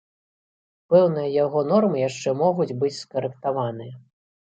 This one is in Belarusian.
Пэўныя яго нормы яшчэ могуць быць скарэктаваныя.